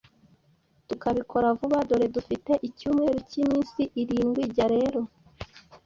tukabikora vuba. Dore dufite icyumweru k’iminsi irindwi. Jya rero